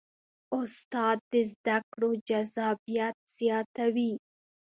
استاد د زده کړو جذابیت زیاتوي.